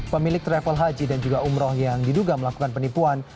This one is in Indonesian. pemilik travel haji dan juga umroh yang diduga melakukan penipuan